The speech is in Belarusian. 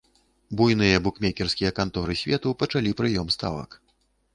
Буйныя букмекерскія канторы свету пачалі прыём ставак.